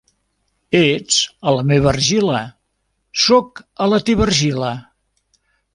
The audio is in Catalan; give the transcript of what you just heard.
Ets a la meva argila, sóc a la teva argila.